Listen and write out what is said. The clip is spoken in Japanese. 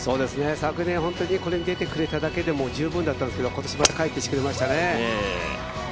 昨年、本当にこれに出てくれただけで十分だったんですけど今年、また帰ってきてくれましたね。